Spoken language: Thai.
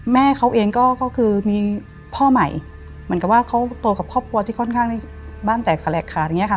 แม่เขาเองก็คือมีพ่อใหม่เหมือนกับว่าเขาโตกับครอบครัวที่ค่อนข้างในบ้านแตกแลกขาดอย่างนี้ค่ะ